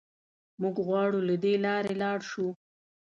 موږ غواړو له دې لارې لاړ شو.